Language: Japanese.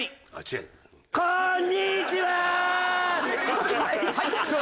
はい。